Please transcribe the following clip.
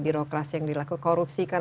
birokrasi yang dilakukan korupsi kan